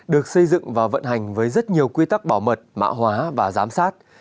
được xây dựng và vận hành với rất nhiều quy tắc bảo mật mạ hóa và giám sát